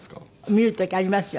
見る時ありますよ。